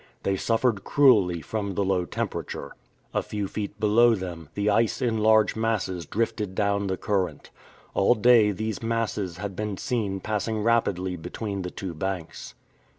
They suffered cruelly from the low temperature. A few feet below them, the ice in large masses drifted down the current. All day these masses had been seen passing rapidly between the two banks.